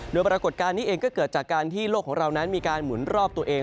โดยปรากฏการณ์นี้เองก็เกิดจากการที่โลกของเรานั้นมีการหมุนรอบตัวเอง